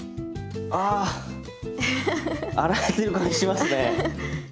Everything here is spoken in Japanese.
あ洗えてる感じしますね！